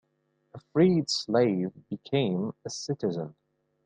A freed slave became a citizen.